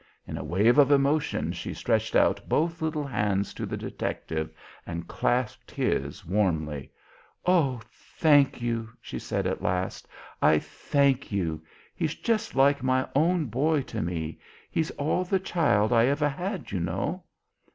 In a wave of emotion she stretched out both little hands to the detective and clasped his warmly. "Oh, thank you," she said at last. "I thank you. He's just like my own boy to me; he's all the child I ever had, you know."